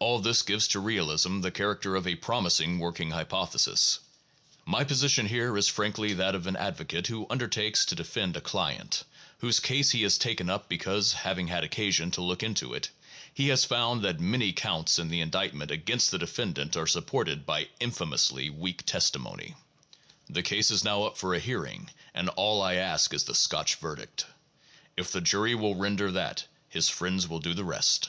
All this gives to realism the character of a promising working hypothesis. My position here is frankly that of an advocate who undertakes to defend a client, whose case he has taken up because, having had occasion to look into it, he has found that many counts in the indictment against the defendant are supported by infamously weak testimony. The case is now up for a hearing, and all I ask is the Scotch verdict. If the jury will render that, his friends will do the rest.